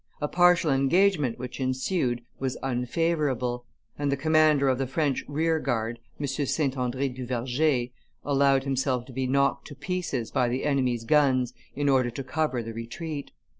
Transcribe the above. A partial engagement, which ensued, was unfavorable; and the commander of the French rear guard, M. St. Andre du Verger, allowed himself to be knocked to pieces by the enemy's guns in order to cover the retreat.